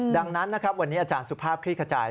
ดังนั้นนะครับวันนี้อาจารย์สุภาพคลี่ขจาย